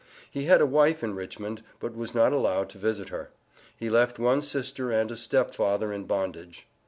He had a wife in Richmond, but was not allowed to visit her. He left one sister and a step father in bondage.